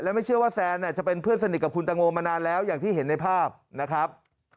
ไม่เชื่อว่าแซนจะเป็นเพื่อนสนิทกับคุณตังโมมานานแล้วอย่างที่เห็นในภาพนะครับ